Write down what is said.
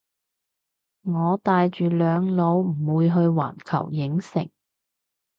我帶住兩老唔會去環球影城